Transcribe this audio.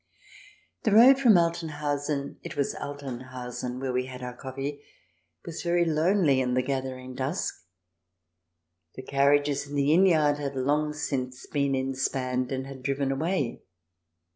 The road from Altenhausen — it was Altenhausen where we had had our coffee — was very lonely in the gathering dusk. The carriages in the inn yard had long since been inspanned and had driven away.